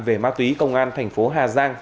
về ma túy công an thành phố hà giang